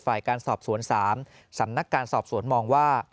ฝ่ายการสอบสวน๓สำนักการสอบสวนมองว่า